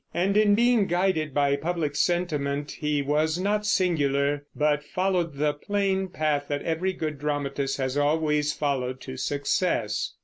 And in being guided by public sentiment he was not singular, but followed the plain path that every good dramatist has always followed to success.